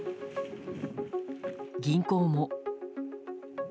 銀行も。